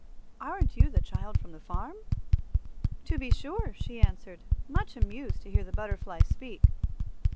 "Aren't you the child from the farm?" "To be sure," she answered, much amused to hear the butterfly speak.